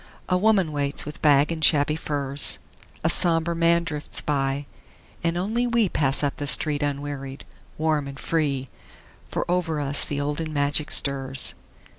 A woman waits with bag and shabby furs, A somber man drifts by, and only we Pass up the street unwearied, warm and free, For over us the olden magic stirs.